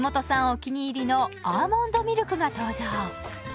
お気に入りのアーモンドミルクが登場。